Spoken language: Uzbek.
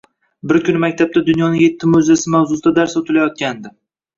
Bir kuni maktabda Dunyoning etti mo``jizasi mavzusida dars o`tilayotgandi